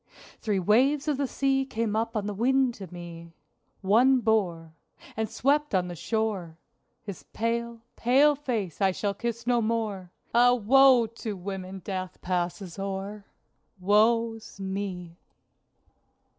Three waves of the sea came up on the wind to me. One bore And swept on the shore His pale, pale face I shall kiss no more! Ah, woe to women death passes o'er! (Woe's me!)